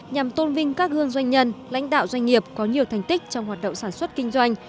nhằm tôn vinh các gương doanh nhân lãnh đạo doanh nghiệp có nhiều thành tích trong hoạt động sản xuất kinh doanh